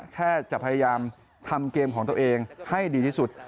แค่จะพยายามทำเกมของตัวเองให้ดีที่สุด